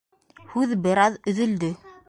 — Һүҙ бер аҙ өҙөлдө.